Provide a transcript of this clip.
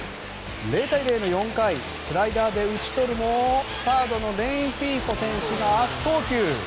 ０対０の４回スライダーで打ち取るもサードのレンフィーフォ選手が悪送球。